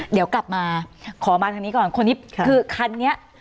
เดี๋ยวกลับมาขอมาทางนี้ก่อนคนนี้คือคันนี้